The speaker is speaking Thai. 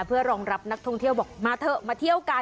เพื่อรองรับนักท่องเที่ยวบอกมาเถอะมาเที่ยวกัน